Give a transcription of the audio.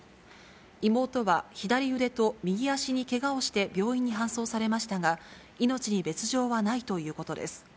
妹は左腕と右足にけがをして、病院に搬送されましたが、命に別状はないということです。